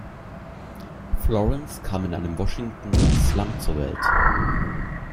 Florence kam in einem Washingtoner Slum zur Welt.